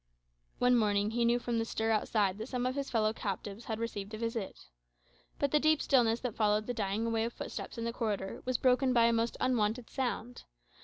One morning he knew from the stir outside that some of his fellow captives had received a visit. But the deep stillness that followed the dying away of footsteps in the corridor was broken by a most unwonted sound.